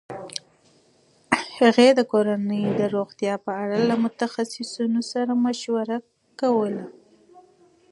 هغې د کورنۍ د روغتیا په اړه د متخصصینو سره مشوره کوي.